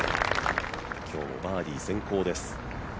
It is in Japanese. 今日もバーディー先行です。